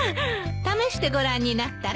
試してごらんになったら？